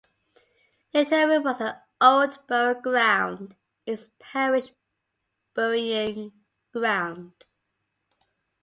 Interment was in the Old Burial Ground, East Parish Burying Ground.